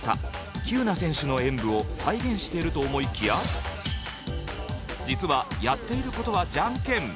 喜友名選手の演舞を再現してると思いきや実はやっていることはじゃんけん。